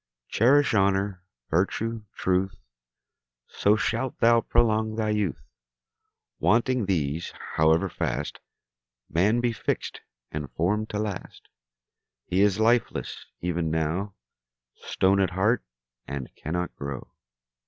Cherish honour, virtue, truth, So shalt thou prolong thy youth. Wanting these, however fast Man be fix'd and form'd to last, He is lifeless even now, Stone at heart, and cannot grow.